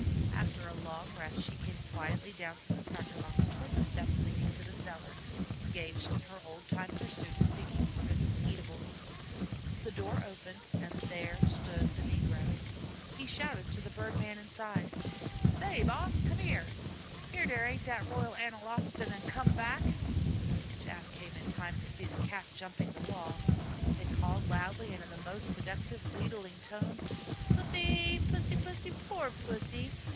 After a long rest she came quietly down from the cracker box toward the steps leading to the cellar, engaged in her old time pursuit of seeking for eatables. The door opened, and there stood the negro. He shouted to the bird man inside: "Say, boss, come hyar. Ef dere ain't dat dar Royal Ankalostan am comed back!" Jap came in time to see the Cat jumping the wall. They called loudly and in the most seductive, wheedling tones: "Pussy, Pussy, poor Pussy!